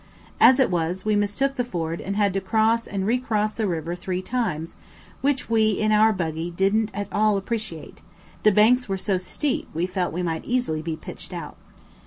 As it was, we mistook the ford and had to cross and recross the river three times, which we, in our buggy, didn't at all appreciate; the banks were so steep we felt we might easily be pitched out.